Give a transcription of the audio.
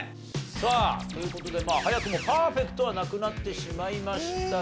さあという事でまあ早くもパーフェクトはなくなってしまいましたが。